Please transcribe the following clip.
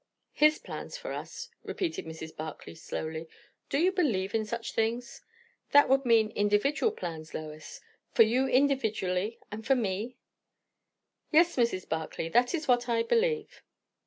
"His plans for us," repeated Mrs. Barclay slowly. "Do you believe in such things? That would mean, individual plans, Lois; for you individually, and for me?" "Yes, Mrs. Barclay that is what I believe."